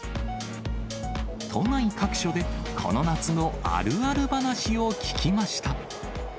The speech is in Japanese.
都内各所でこの夏のあるある話を聞きました。